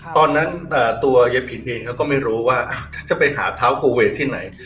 ตอนนั้นตัวเย็บผิดเองก็ไม่รู้ว่าจะเป็นหาท้าวโกเวสที่ไหน